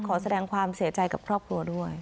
ขอแสดงความเสียใจกับครอบครัวด้วย